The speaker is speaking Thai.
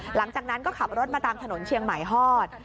หลังจากนั้นก็ขับรถมาตามถนนเชียงใหม่ฮอด